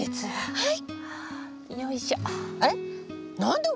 はい。